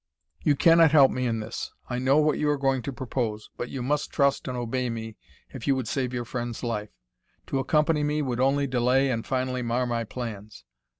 You cannot help me in this. I know what you are going to propose, but you must trust and obey me if you would save your friend's life. To accompany me would only delay and finally mar my plans.